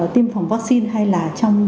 tiêm phòng vaccine hay là trong